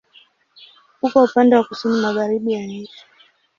Uko upande wa kusini-magharibi ya nchi.